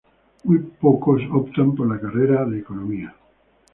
Muy pocos optan por la carrera de Economía.